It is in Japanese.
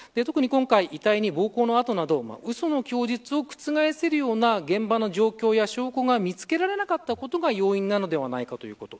特に今回、遺体に暴行の痕などうその供述を覆せるような現場の状況や証拠を見つけられなかったことが要因なのではないかということ。